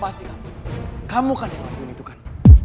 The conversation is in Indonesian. pasti kamu kamu kan yang lakuin itu kan